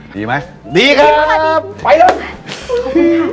ดีไหมดีค่ะไปแล้ว